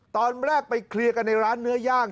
ตอนแรกไปเคลียร์กันในร้านเนื้อย่าง